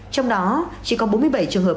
trong đó chỉ có bốn mươi bảy trường hợp